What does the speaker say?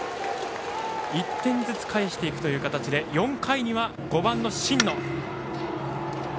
１点ずつ返していく形で４回には５番の新野。